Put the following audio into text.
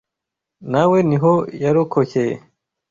Na we niho yarokokeye